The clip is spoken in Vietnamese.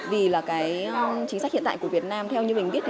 vì chính sách hiện tại của việt nam theo như mình biết